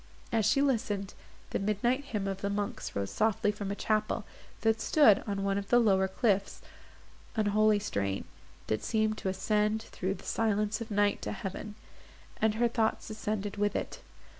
As she listened, the midnight hymn of the monks rose softly from a chapel, that stood on one of the lower cliffs, a holy strain, that seemed to ascend through the silence of night to heaven, and her thoughts ascended with it.